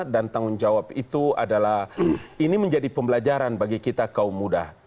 dan tanggung jawab itu adalah ini menjadi pembelajaran bagi kita kaum muda